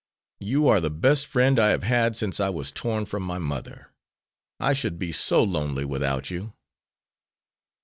You are the best friend I have had since I was torn from my mother. I should be so lonely without you."